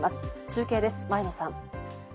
中継です、前野さん。